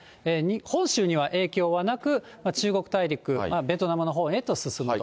本州には影響はなく、中国大陸、ベトナムのほうへと進むと。